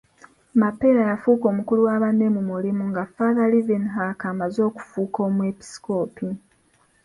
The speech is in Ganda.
Mapeera yafuuka omukulu wa banne mu mulimu, nga Father Livinhac amaze okufuuka Omwepiskopi.